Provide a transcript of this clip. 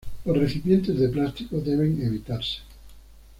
Los recipientes de plástico deben evitarse.